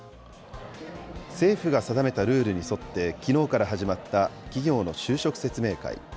政府が定めたルールに沿って、きのうから始まった企業の就職説明会。